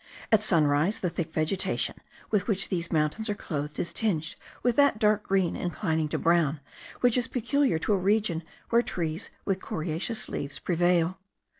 At sunrise the thick vegetation with which these mountains are clothed is tinged with that dark green inclining to brown, which is peculiar to a region where trees with coriaceous leaves prevail.